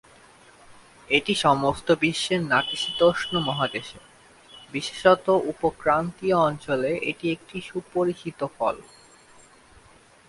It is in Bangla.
এটি সমস্ত বিশ্বের নাতিশীতোষ্ণ মহাদেশে, বিশেষত উপ-ক্রান্তীয় অঞ্চলে এটি একটি সুপরিচিত ফল।